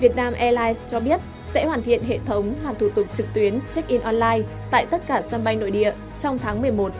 việt nam airlines cho biết sẽ hoàn thiện hệ thống làm thủ tục trực tuyến check in online tại tất cả sân bay nội địa trong tháng một mươi một